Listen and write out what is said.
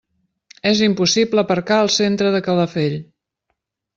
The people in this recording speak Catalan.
És impossible aparcar al centre de Calafell.